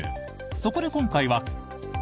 そこで今回は。